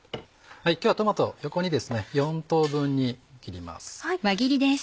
今日はトマトを横に４等分に切ります。